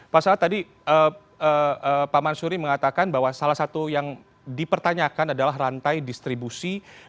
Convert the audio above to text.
pak sahat tadi pak mansuri mengatakan bahwa salah satu yang dipertanyakan adalah rantai distribusi